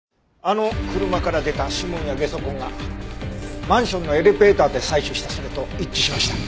あの車から出た指紋やゲソ痕がマンションのエレベーターで採取したそれと一致しました。